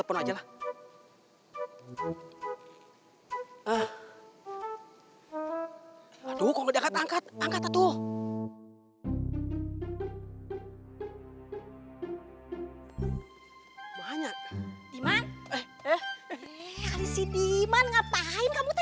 saya tunggu limat menit